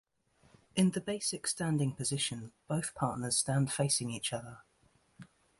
In the basic standing position, both partners stand facing each other.